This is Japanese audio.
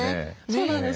そうなんですよ。